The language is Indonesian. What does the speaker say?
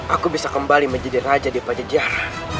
aku bisa kembali menjadi raja di pajajar